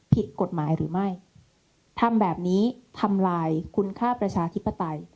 ผิดกฎหมายหรือไม่ทำแบบนี้ทำลายคุณค่าประชาธิปไตย